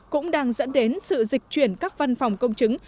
cũng đang dẫn đến sự dịch chuyển các văn phòng công chứng